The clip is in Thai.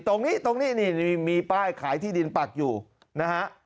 ตรงนี้มีป้ายขายที่ดินปักอยู่นะฮะ